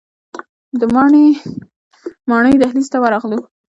د ماڼۍ دهلیز ته ورغلو.